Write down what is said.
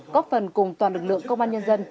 góp phần cùng toàn lực lượng công an nhân dân